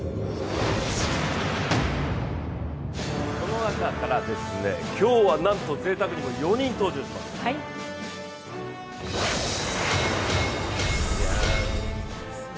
この中から今日は、なんとぜいたくにも４人登場します。